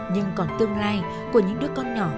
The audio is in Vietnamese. nhưng còn tương lai của những đứa con nhỏ